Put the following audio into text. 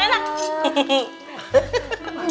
masa dulu nih